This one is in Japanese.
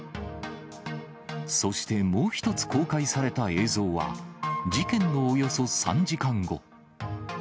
そして、もう１つ公開された映像は、事件のおよそ３時間後。